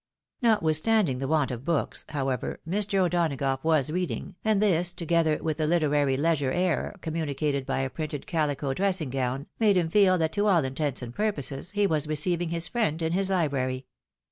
Notwithstanding the want of books, however, Mr. O'Donagough was reading, and this, together, with the hterary leisure air communicated by a printed caUco dressing gown, made him feel that to all intents and purposes he was receiving his friend, in his library.